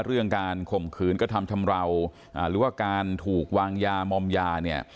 เรื่องการข่มขืนกระทำชำราวหรือว่าการถูกวางยามอมยาเนี่ย